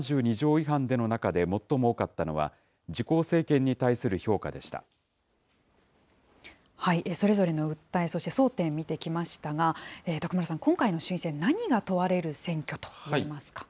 違反での中で最も多かったのそれぞれの訴え、そして争点、見てきましたが、徳丸さん、今回の衆院選、何が問われる選挙と言えますか。